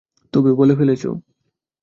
তবে বলে ফেলেছো।